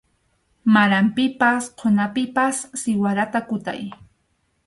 Maranpipas qhunapipas siwarata kutay.